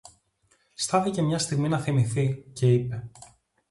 Στάθηκε μια στιγμή να θυμηθεί, και είπε: